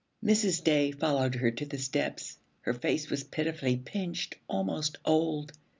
Mrs. Day followed her to the steps; her face was pitifully pinched, almost old.